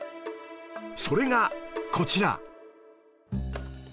それがこちら